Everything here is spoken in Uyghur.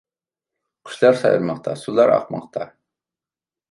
قۇشلار سايرىماقتا. سۇلار ئاقماقتا.